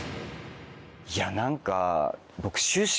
いや何か僕。